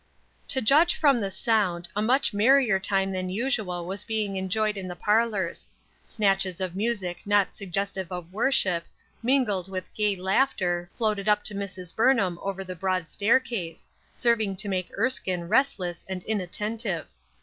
TO judge from the sound, a much merrier time than usual was being enjoyed in the par lors : snatches of music not suggestive of wor ship, mingled with gay laughter, floated up to Mrs. Burnham over the broad staircase, serving to make Erskine restless and inattentive.